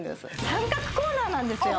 三角コーナーなんですよ